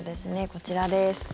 こちらです。